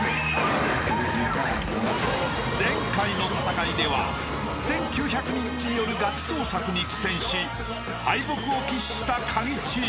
［前回の戦いでは１，９００人によるガチ捜索に苦戦し敗北を喫したカギチーム］